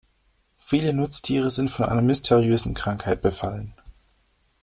Viele Nutztiere sind von einer mysteriösen Krankheit befallen.